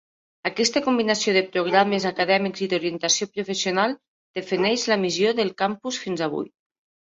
Aquesta combinació de programes acadèmics i d'orientació professional defineix la missió del campus fins avui.